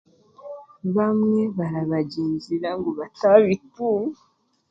Bamwe barabagingira ngu bataabitunga.